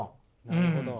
なるほど。